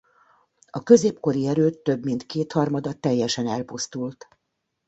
A középkori erőd több mint kétharmada teljesen elpusztult.